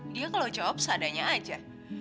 dia kalau jawab seadanya aja